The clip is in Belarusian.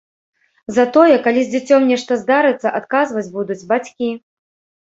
Затое, калі з дзіцём нешта здарыцца, адказваць будуць бацькі.